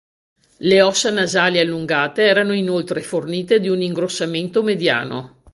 Le ossa nasali allungate erano inoltre fornite di un ingrossamento mediano.